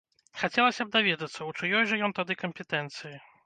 Хацелася б даведацца, у чыёй жа ён тады кампетэнцыі?